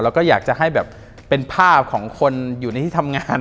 แล้วก็อยากจะให้แบบเป็นภาพของคนอยู่ในที่ทำงาน